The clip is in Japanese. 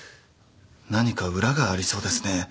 何か裏がありそうですね。